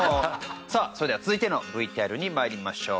さあそれでは続いてのＶＴＲにまいりましょう。